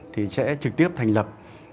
thì sẽ trực tiếp thành lập